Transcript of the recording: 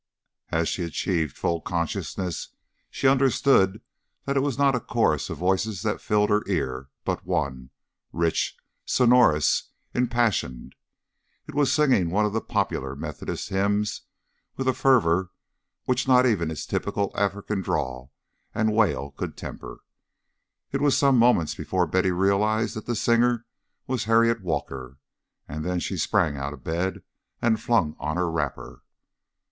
As she achieved full consciousness, she understood that it was not a chorus of voices that filled her ear, but one, rich, sonorous, impassioned. It was singing one of the popular Methodist hymns with a fervour which not even its typical African drawl and wail could temper. It was some moments before Betty realized that the singer was Harriet Walker, and then she sprang out of bed and flung on her wrapper.